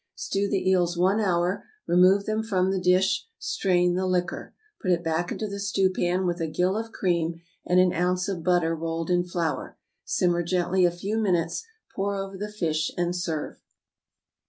Stew the eels one hour; remove them from the dish; strain the liquor. Put it back into the stewpan with a gill of cream and an ounce of butter rolled in flour; simmer gently a few minutes, pour over the fish, and serve.